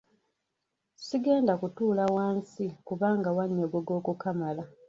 Sigenda kutuula wansi kubanga wannyogoga okukamala.